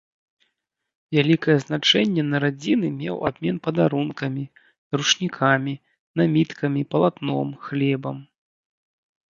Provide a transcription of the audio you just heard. Вялікае значэнне на радзіны меў абмен падарункамі, ручнікамі, наміткамі, палатном, хлебам.